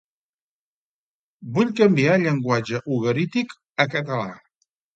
Vull canviar llenguatge ugarític a català